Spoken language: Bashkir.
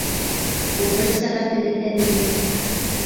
Ул бер сәғәт элек әҙер ине!